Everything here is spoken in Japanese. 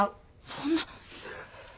そんな。